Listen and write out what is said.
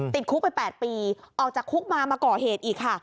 ติดคุกไป๘ปีออกจากคุกมามาก่อเหตุอีกค่ะ